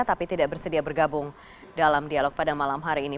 tapi tidak bersedia bergabung dalam dialog pada malam hari ini